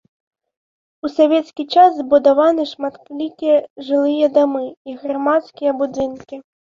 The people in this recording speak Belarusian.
У савецкі час збудаваны шматлікія жылыя дамы і грамадскія будынкі.